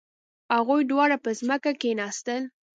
هغوی دواړه په ځمکه کښیناستل.